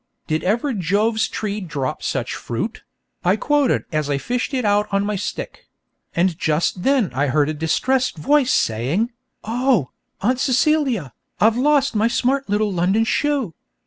'Did ever Jove's tree drop such fruit?' I quoted as I fished it out on my stick; and just then I heard a distressed voice saying, 'Oh, Aunt Celia, I've lost my smart little London shoe.